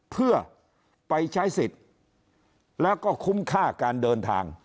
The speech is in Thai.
เพื่อไปใช้สิทธิ์แล้วก็คุ้มค่าการเดินทาง